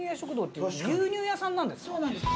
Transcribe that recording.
そうなんです。